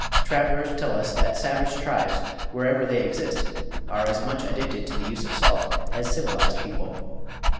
Travelers tell us that savage tribes, wherever they exist, are as much addicted to the use of salt as civilized people.